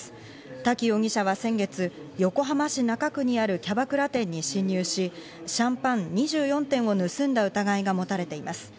滝容疑者は先月、横浜市中区にあるキャバクラ店に侵入し、シャンパン２４点を盗んだ疑いが持たれています。